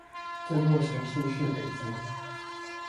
這座城市是北京